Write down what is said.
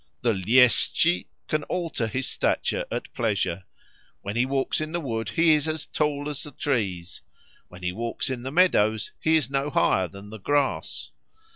The Ljeschi can alter his stature at pleasure; when he walks in the wood he is as tall as the trees; when he walks in the meadows he is no higher than the grass.